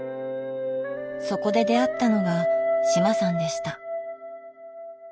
そこで出会ったのが志麻さんでした。